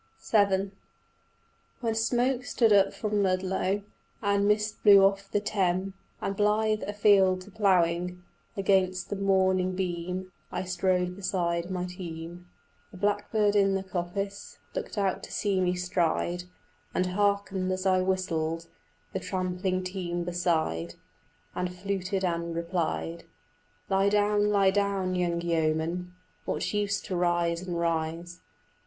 VII When smoke stood up from Ludlow, And mist blew off from Teme, And blithe afield to ploughing Against the morning beam I strode beside my team, The blackbird in the coppice Looked out to see me stride, And hearkened as I whistled The tramping team beside, And fluted and replied: "Lie down, lie down, young yeoman; What use to rise and rise?